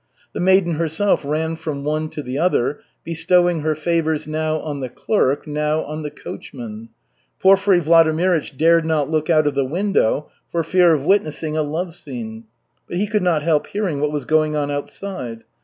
The maiden herself ran from one to the other, bestowing her favors now on the clerk, now on the coachman. Porfiry Vladimirych dared not look out of the window for fear of witnessing a love scene; but he could not help hearing what was going on outside.